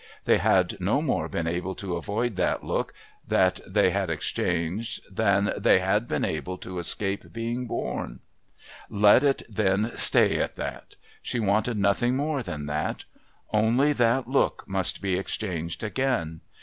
They had no more been able to avoid that look that they had exchanged than they had been able to escape being born. Let it then stay at that. She wanted nothing more than that. Only that look must be exchanged again.